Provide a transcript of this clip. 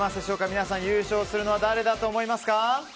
皆さん、優勝するのは誰だと思いますか？